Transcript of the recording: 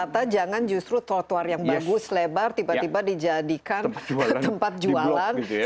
kata jangan justru trotoar yang bagus lebar tiba tiba dijadikan tempat jualan